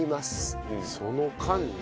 その間に。